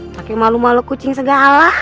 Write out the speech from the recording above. pakai malu malu kucing segala lah